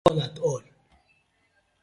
I no won cry atol atol.